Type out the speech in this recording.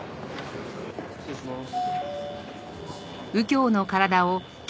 失礼します。